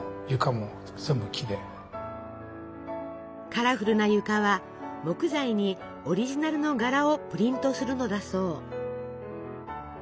カラフルな床は木材にオリジナルの柄をプリントするのだそう。